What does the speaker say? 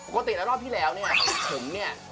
แล้วรอบพี่แล้วผมเนี่ย